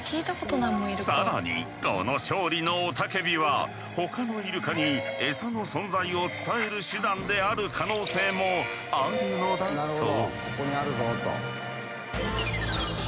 更にこの勝利のおたけびは他のイルカにエサの存在を伝える手段である可能性もあるのだそう。